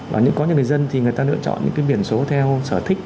và có những người dân thì người ta lựa chọn những cái biển số theo sở thích